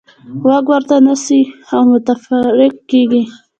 غوږ ورته نه نیسئ او متفرق کېږئ.